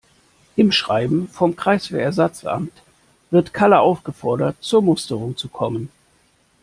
Im Schreiben vom Kreiswehrersatzamt wird Kalle aufgefordert, zur Musterung zu kommen.